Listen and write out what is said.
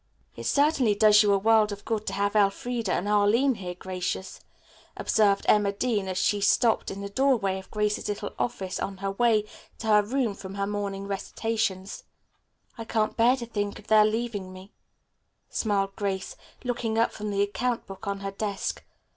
"It certainly does you a world of good to have Elfreda and Arline here, Gracious," observed Emma Dean as she stopped in the doorway of Grace's little office on her way to her room from her morning recitations. "I can't bear to think of their leaving me," smiled Grace, looking up from the account book on her desk.